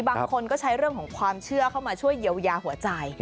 บางคนก็ใช้เรื่องของความเชื่อเข้ามาช่วยเยียวยาหัวใจ